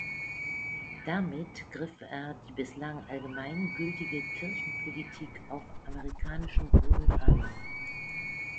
Damit griff er die bislang allgemein gültige Kirchenpolitik auf amerikanischem Boden an.